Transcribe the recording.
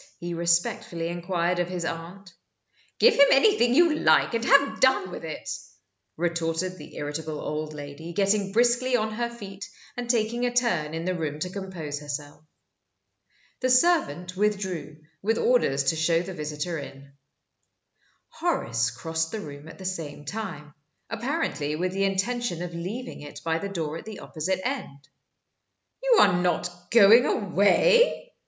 he respectfully inquired of his aunt. "Give him anything you like, and have done with it!" retorted the irritable old lady, getting briskly on her feet, and taking a turn in the room to compose herself. The servant withdrew, with orders to show the visitor in. Horace crossed the room at the same time apparently with the intention of leaving it by the door at the opposite end. "You are not going away?"